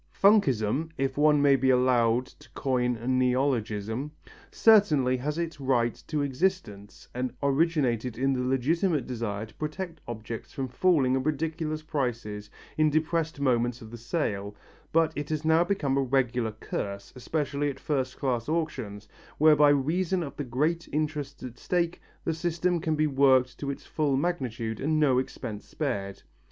"Funkism," if one may be allowed to coin a neologism, certainly has its right to existence and originated in the legitimate desire to protect objects from falling at ridiculous prices in depressed moments of the sale, but it has now become a regular curse, especially at first class auctions, where by reason of the great interests at stake, the system can be worked to its full magnitude and no expense spared.